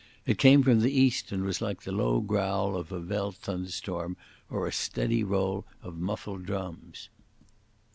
It came from the east, and was like the low growl of a veld thunderstorm, or a steady roll of muffled drums.